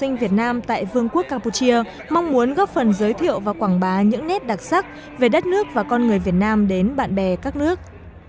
đại sứ việt nam tại vương quốc campuchia mong muốn góp phần giới thiệu và quảng bá những nét đặc sắc về đất nước và con người việt nam đến bạn bè các nước